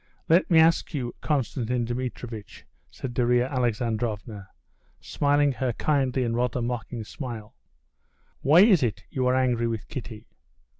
"Let me ask you, Konstantin Dmitrievitch," said Darya Alexandrovna, smiling her kindly and rather mocking smile, "why is it you are angry with Kitty?"